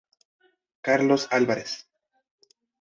Carlos Álvarez.